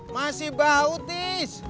masih bau tis